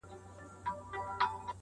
پښې او غاړي په تارونو کي تړلي -